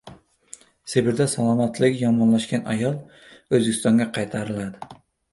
Sibirda salomatligi yomonlashgan ayol O‘zbekistonga qaytariladi